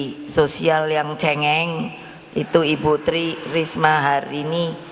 di sosial yang cengeng itu ibu tri risma hari ini